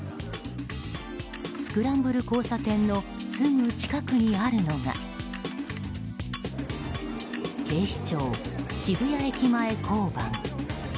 スクランブル交差点のすぐ近くにあるのが警視庁渋谷駅前交番。